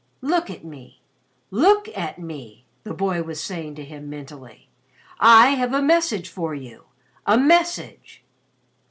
"Look at me! Look at me!" the boy was saying to him mentally. "I have a message for you. A message!"